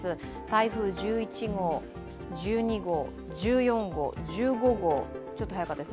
台風１１号、１２号、１４号、そして１５号。